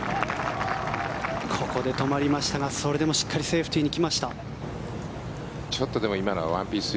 ここで止まりましたがそれでもしっかりセーフティーに来ました。